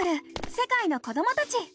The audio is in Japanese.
世界の子どもたち」。